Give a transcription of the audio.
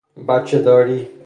بچه داری